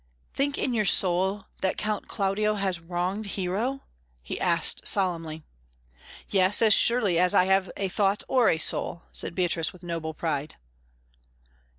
"Think you in your soul that Count Claudio has wronged Hero?" he asked solemnly. "Yes, as surely as I have a thought or a soul," said Beatrice, with noble pride.